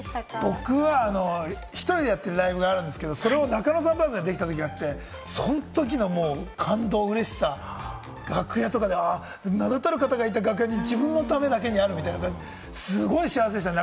僕は１人でやってるライブがあるんですけれど、それを中野サンプラザでやったときがあって、そのときの感動、嬉しさ、楽屋とかで、名だたる方がいた楽屋に自分のためだけにあるんだ、すごい幸せでした。